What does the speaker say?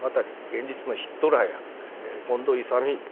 現実のヒットラーや近藤勇